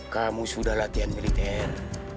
kamu sudah latihan militer